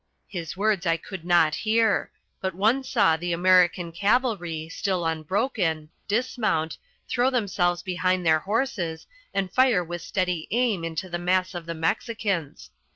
His words I could not hear, but one saw the American cavalry, still unbroken, dismount, throw themselves behind their horses, and fire with steady aim into the mass of the Mexicans.